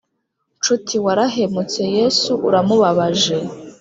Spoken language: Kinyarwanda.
nshuti, warahemutse; yesu uramubabaje.